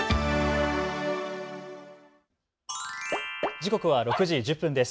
時刻は６時１０分です。